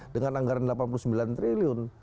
dengan anggaran rp delapan puluh sembilan triliun